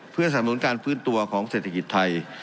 เพื่อสำนุนการฟื้นตัวของเศรษฐกิจไทย